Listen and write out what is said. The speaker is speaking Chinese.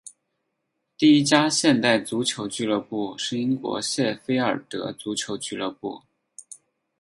第一家现代足球俱乐部是英国谢菲尔德足球俱乐部。